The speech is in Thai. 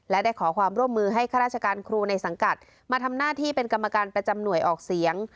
และได้ขอความร่วมมือให้ข้าราชการครูในสังกัดมาทำหน้าที่เป็นกรรมการประจำหน่วยออกเสียง